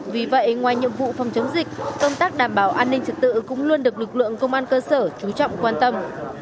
vì vậy ngoài nhiệm vụ phòng chống dịch công tác đảm bảo an ninh trật tự cũng luôn được lực lượng công an cơ sở chú trọng quan tâm